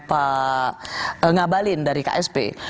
pak ngabalin dari ksp